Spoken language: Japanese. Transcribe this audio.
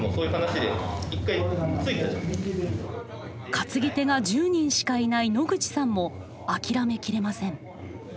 担ぎ手が１０人しかいない野口さんも諦め切れません。